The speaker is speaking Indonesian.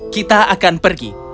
kita akan pergi